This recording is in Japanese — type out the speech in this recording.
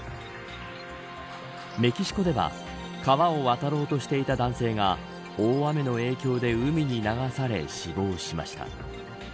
メキシコでは川を渡ろうとしていた男性が大雨の影響で海に流され死亡しました。